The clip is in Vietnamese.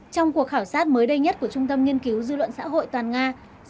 trong cuộc khảo sát mới đây nhất của trung tâm nghiên cứu dư luận xã hội toàn nga